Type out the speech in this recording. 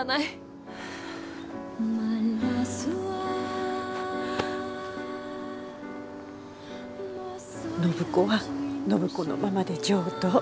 暢子は暢子のままで上等。